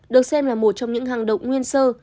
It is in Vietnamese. được xem là một trong những hàng động nguyên sơ